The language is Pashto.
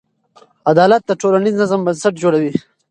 عدالت د ټولنیز نظم بنسټ جوړوي.